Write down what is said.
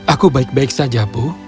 aku baik baik saja bu